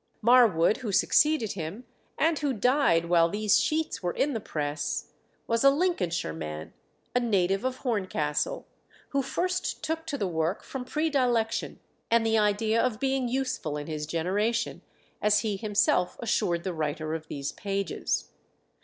Marwood, who succeeded him, and who died while these sheets were in the press, was a Lincolnshire man, a native of Horncastle, who first took to the work from predilection, and the idea of being useful in his generation, as he himself assured the writer of these pages.